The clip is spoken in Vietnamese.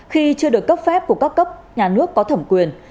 khi chưa được cấp phép của các cấp nhà nước có thẩm quyền